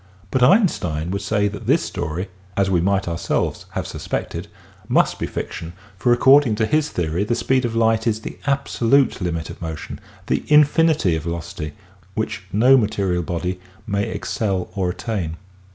But Einstein would say that this story — as we might ourselves have suspected — ^must be fic tion for according to his theory the speed of light is the absolute limit of motion, the infinity of velocity, which' no material body may excel or attain.